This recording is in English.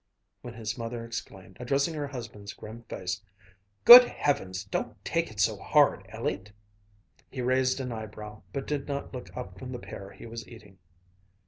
when his mother exclaimed, addressing her husband's grim face, "Good Heavens, don't take it so hard, Elliott." He raised an eyebrow, but did not look up from the pear he was eating.